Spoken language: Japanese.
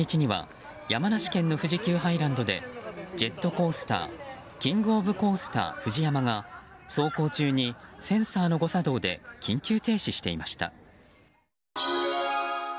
今月２８日には山梨県の富士急ハイランドでジェットコースターキング・オブ・コースターＦＵＪＩＹＡＭＡが走行中にセンサーの誤作動で緊急停止していました。